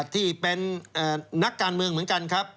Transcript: ที่เป็นนักการเมืองเหมือนกันครับ